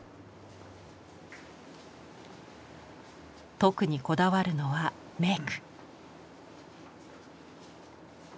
特にこだわるのはメーク。